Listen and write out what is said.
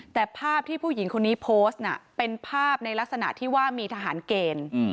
แต่ภาพที่ผู้หญิงคนนี้โพสต์น่ะเป็นภาพในลักษณะที่ว่ามีทหารเกณฑ์